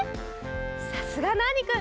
さすがナーニくん。